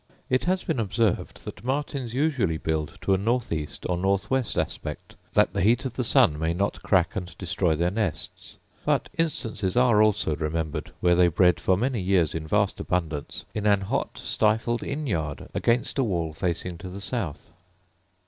It has been observed that martins usually build to a north east or north west aspect, that the heat of the sun may not crack and destroy their nests: but instances are also remembered where they bred for many years in vast abundance in an hot stifled inn yard, against a wall facing to the south.